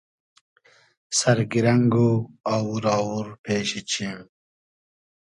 سئر گیرنئگ و آوور آوور پېشی چیم